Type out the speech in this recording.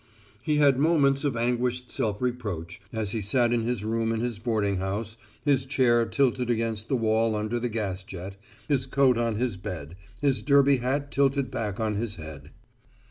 He had moments of anguished self reproach as he sat in his room in his boarding house, his chair tilted against the wall under the gas jet, his coat on his bed, his derby hat tilted back on his head.